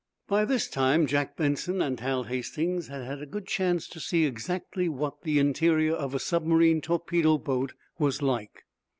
By this time Jack Benson and Hal Hastings had had a good chance to see exactly what the interior of a submarine torpedo boat was like.